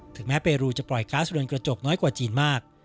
แม้เปรูจะปล่อยก๊าซเรือนกระจกน้อยกว่าจีนมาก